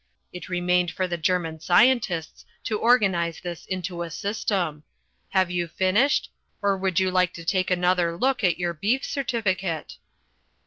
It remained for the German scientists to organise this into system. Have you finished? Or would you like to take another look at your beef certificate?"